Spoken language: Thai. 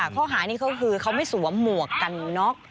ข้อหานี้ก็คือเขาไม่สวมหมวกกันน็อก